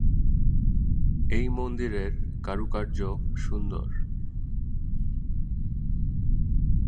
এই মন্দিরের কারুকার্য সুন্দর।